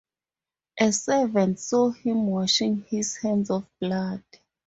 A servant saw him washing his hands of blood.